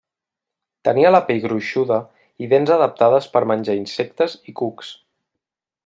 Tenia la pell gruixuda i dents adaptades per menjar insectes i cucs.